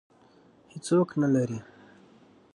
هېڅوک نه لري